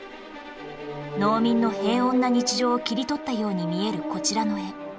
農民の平穏な日常を切り取ったように見えるこちらの絵